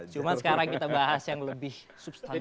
cuma sekarang kita bahas yang lebih substantif